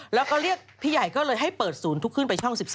แล้วก็เรียกพี่ใหญ่ก็เลยให้เปิดศูนย์ทุกขึ้นไปช่อง๑๒